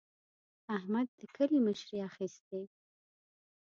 احمد د کلي مشري اخېستې.